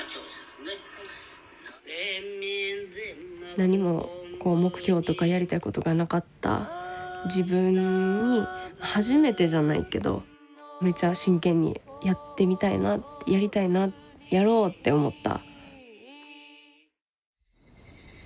何もこう目標とかやりたいことがなかった自分に初めてじゃないけどめっちゃ真剣にやってみたいなやりたいなやろうって思った。